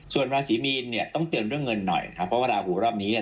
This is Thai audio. ส่วนราศีมีนเนี่ยต้องเตือนเรื่องเงินหน่อยครับเพราะว่าราหูรอบนี้เนี่ย